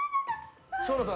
生野さん